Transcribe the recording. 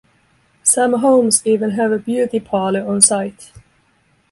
Some homes even have a beauty parlor on site.